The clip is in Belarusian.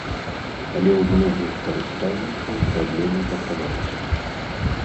Але ў многіх карыстальнікаў праблема захавалася.